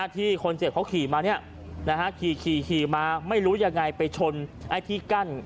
ที่คนเจ็บเขาขี่มาขี่มาไม่รู้ยังไงไปชนไอ้ที่กั้น